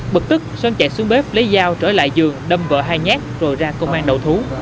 bực tức sơn chạy xuống bếp lấy dao trở lại giường đâm vợ hai nhát rồi ra công an đầu thú